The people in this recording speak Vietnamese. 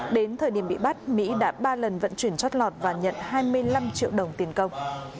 đến thời điểm bị bắt mỹ đã ba lần vận chuyển chót lọt và nhận hai mươi năm triệu đồng tiền công